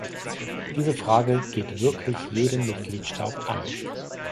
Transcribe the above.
Diese Frage geht wirklich jeden Mitgliedstaat an.